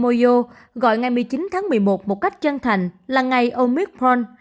moyo gọi ngày một mươi chín tháng một mươi một một cách chân thành là ngày omicron